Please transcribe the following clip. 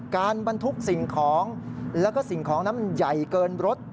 บรรทุกสิ่งของแล้วก็สิ่งของนั้นมันใหญ่เกินรถ